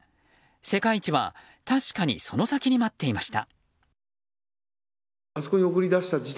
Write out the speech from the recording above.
世界一は確かにその先に待っていました。